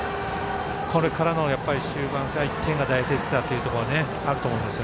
これからの終盤は１点が大切だというところあると思います。